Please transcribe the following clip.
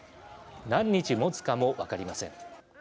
何日もつかも分かりません。